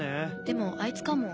でもあいつかも。